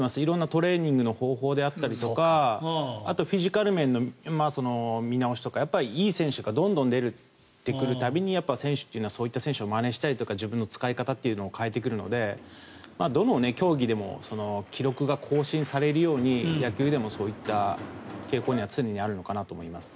トレーニングの方法だったりとかあとフィジカル面の見直しとかいい選手がどんどん出てくる度に選手というのはそういった選手をまねしたりとか自分の使い方というのを変えてくるので、どの競技でも記録が更新されるように野球でもそういった傾向は常にあるのかなと思います。